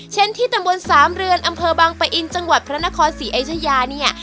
ที่ตำบลสามเรือนอำเภอบางปะอินจังหวัดพระนครศรีอยุธยาเนี่ย